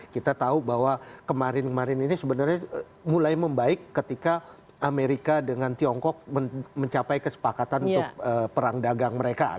kita tahu bahwa kemarin kemarin ini sebenarnya mulai membaik ketika amerika dengan tiongkok mencapai kesepakatan untuk perang dagang mereka